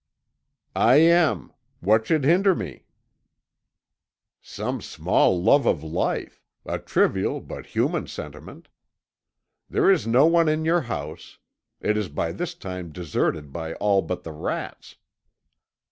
"I am. What should hinder me?" "Some small love of life a trivial but human sentiment. There is no one in your house. It is by this time deserted by all but the rats."